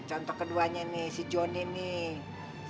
contoh keduanya nih si jonny nih